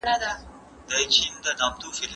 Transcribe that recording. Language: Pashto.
ولي ځايي واردوونکي ساختماني مواد له هند څخه واردوي؟